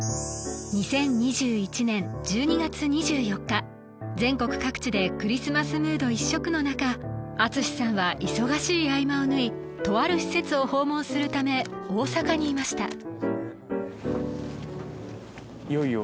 ２０２１年１２月２４日全国各地でクリスマスムード一色の中ＡＴＳＵＳＨＩさんは忙しい合間を縫いとある施設を訪問するため大阪にいました